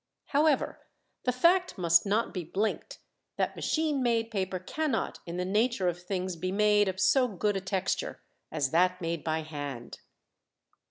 However, the fact must not be blinked that machine made paper cannot in the nature of things be made of so good a texture as that made by hand.